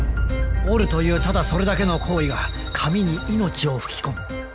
折るというただそれだけの行為が紙に命を吹き込む。